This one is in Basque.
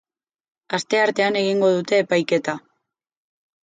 Asteartean egingo dute epaiketa.